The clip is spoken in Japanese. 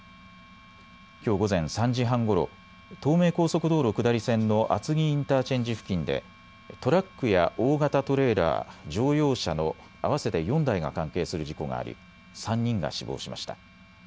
きょう午前３時半ごろ東名高速道路下り線の厚木インターチェンジ付近でトラックや大型トレーラー、乗用車の合わせて４台が関係する事故があり３人が死亡しました。